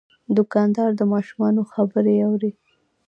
دوکاندار د ماشومانو خبرې اوري.